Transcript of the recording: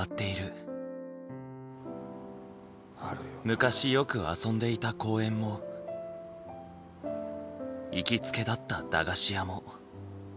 昔よく遊んでいた公園も行きつけだった駄菓子屋も。